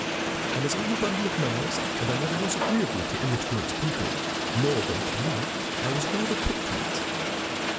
And as I'm a bundle of nerves, and I never was agreeable to illiterate people, nor they to me, I was rather put to it.